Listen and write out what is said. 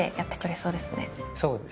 そうですね。